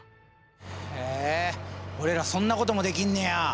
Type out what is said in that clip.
へえ俺らそんなこともできんねや！